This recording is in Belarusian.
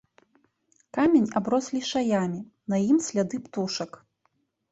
Камень аброс лішаямі, на ім сляды птушак.